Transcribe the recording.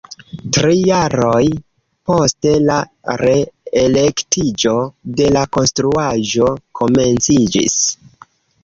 Tri jaroj poste, la re-erektiĝo de la konstruaĵo komenciĝis.